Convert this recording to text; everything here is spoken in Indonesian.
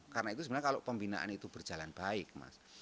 karena itu sebenarnya kalau pembinaan itu berjalan baik mas